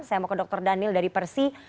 saya mau ke dr daniel dari persi